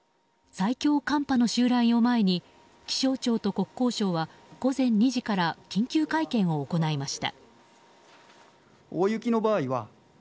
最強寒波襲来を前に気象庁と国交省は午前２時から緊急会見を行いました。